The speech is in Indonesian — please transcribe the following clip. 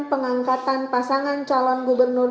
pengangkatan pasangan calon gubernur